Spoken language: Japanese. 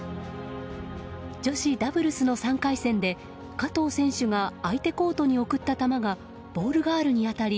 女子ダブルスの３回戦で加藤選手が相手コートに送った球がボールガールに当たり